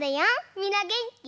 みんなげんき？